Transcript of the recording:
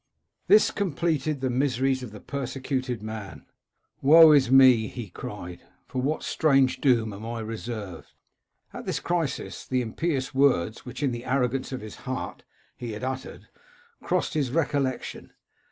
" This completed the miseries of the persecuted man. * Woe is me,' he cried, * for what strange doom am I reserved ?'At this crisis, the impious words which in the arrogance of his heart he had uttered, crossed his recollection.